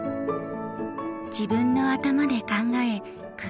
自分の頭で考え工夫する。